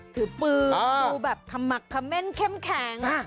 ถือปืนดูแบบขมักเค็มแข็ง